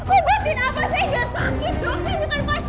ngebatin apa sih